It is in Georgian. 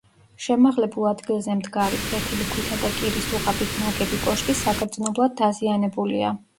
შემაღლებულ ადგილზე მდგარი, ფლეთილი ქვითა და კირის დუღაბით ნაგები კოშკი საგრძნობლად დაზიანებულია.